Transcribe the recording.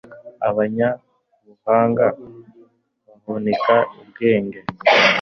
abanyabuhanga bahunika ubwenge